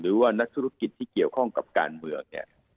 หรือว่านักธุรกิจที่เกี่ยวข้องกับการเมืองเนี่ย